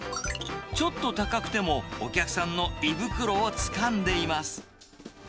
ちょっと高くても、お客さんの胃袋をつかんでいます。